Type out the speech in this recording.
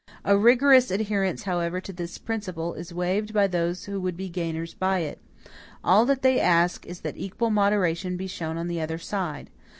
A rigorous adherence, however, to this principle, is waived by those who would be gainers by it. All that they ask is that equal moderation be shown on the other side.